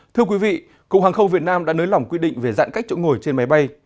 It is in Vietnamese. thưa quý vị cục hàng không việt nam đã nới lỏng quy định về giãn cách chỗ ngồi trên máy bay